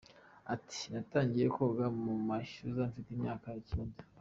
Ati “ Natangiye koga mu mashyuza mfite imyaka icyenda.